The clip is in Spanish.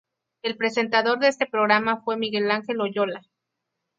El presentador de este programa fue Miguel Ángel Oyola.